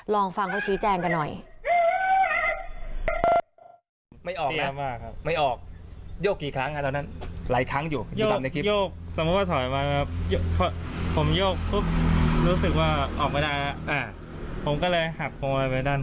ลองฟังเขาชี้แจงกันหน่อย